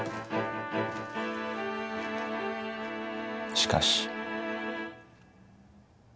しかし。